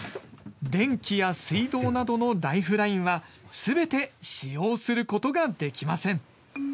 電気や水道などのライフラインはすべて使用することができません。